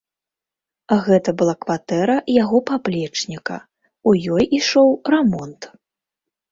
Гэта была кватэра яго паплечніка, у ёй ішоў рамонт.